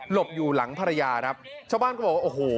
บอยู่หลังภรรยาครับชาวบ้านก็บอกว่าโอ้โห